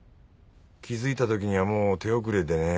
気付いたときにはもう手遅れでね。